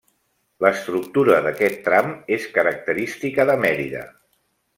L'estructura d'aquest tram és característica de Mèrida.